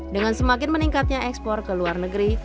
dengan semakin meningkatnya ekspor ke luar negeri